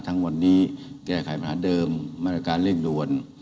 ทั้งวันนี้แก้ไขปัญหาเดิมมาตรการเร่งด่วน